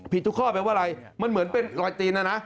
ทุกข้อแปลว่าอะไรมันเหมือนเป็นรอยตีนนะนะ